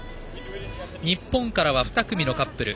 日本からは２組のカップル。